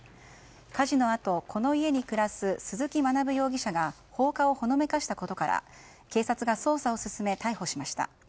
火事のあとこの家に暮らす鈴木学容疑者が放火をほのめかしたことから警察が捜査を進め逮捕しました。